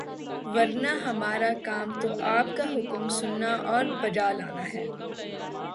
ورنہ ہمارا کام تو آپ کا حکم سننا اور بجا لانا ہے۔